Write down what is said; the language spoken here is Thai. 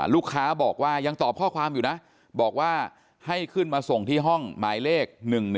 ลูกค้าบอกว่ายังตอบข้อความอยู่นะบอกว่าให้ขึ้นมาส่งที่ห้องหมายเลข๑๑